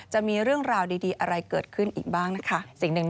จะมีเรื่องราวดีอะไรเกิดขึ้นอีกบ้างนะฮะสิ่งหนึ่ง